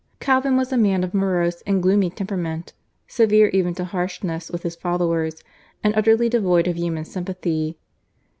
Calvin was a man of morose and gloomy temperament, severe even to harshness with his followers, and utterly devoid of human sympathy.